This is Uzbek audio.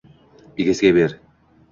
egasiga ber